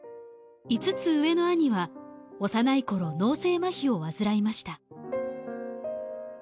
５つ上の兄は幼い頃脳性まひを患いました。